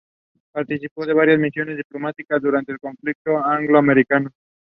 He played for them another year before moving on.